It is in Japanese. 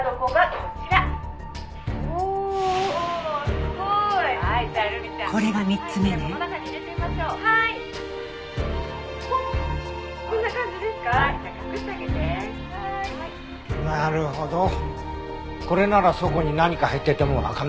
これなら底に何か入っていてもわからないね。